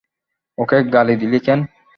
ওকে গালি দিলি কেন?